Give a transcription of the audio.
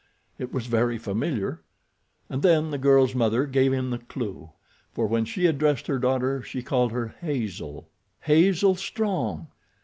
It was very familiar. And then the girl's mother gave him the clew, for when she addressed her daughter she called her Hazel. Hazel Strong!